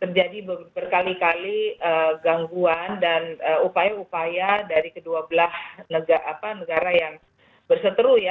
terjadi berkali kali gangguan dan upaya upaya dari kedua belah negara yang berseteru ya